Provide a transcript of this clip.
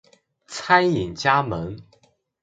餐饮加盟